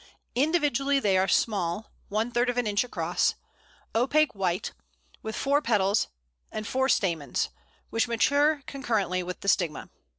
Individually they are small (one third of an inch across), opaque white, with four petals and four stamens, which mature concurrently with the stigma.